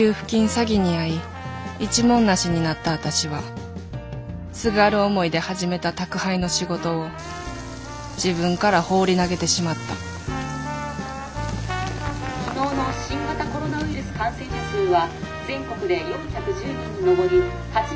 詐欺に遭い一文無しになった私はすがる思いで始めた宅配の仕事を自分から放り投げてしまった「昨日の新型コロナウイルス感染者数は全国で４１０人に上り８人が亡くなりました。